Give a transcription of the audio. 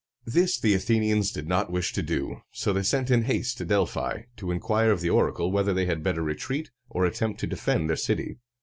This the Athenians did not wish to do, so they sent in haste to Delphi, to inquire of the oracle whether they had better retreat, or attempt to defend their city.